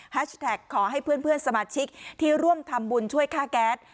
แท็กขอให้เพื่อนสมาชิกที่ร่วมทำบุญช่วยค่าแก๊ส